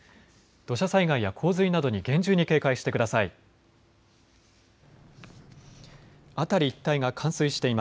土砂災害や洪水などに厳重に警戒してください。